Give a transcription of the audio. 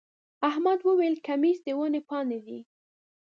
احمد وويل: کمیس د ونې پاڼې دی.